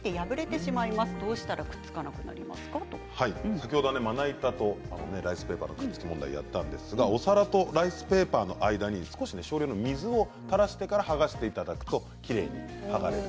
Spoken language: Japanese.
先ほどまな板とライスペーパーがくっつくという問題をやったんですがお皿とライスペーパーの間に少し少量の水を垂らしてから剥がしていただくときれいに剥がれる。